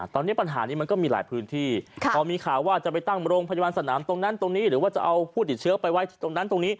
ตอนนี้ปัญหานี้มันก็มีหลายพื้นที่พอมีข่าวว่าจะไปตั้งโรงพยาบาลสนามตรงนั้นตรงนี้หรือว่าจะเอาผู้ติดเชื้อไปไว้ตรงนั้นตรงนี้